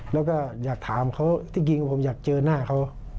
แล้วก็อยากถามเขาที่จริงผมอยากเจอหน้าเขา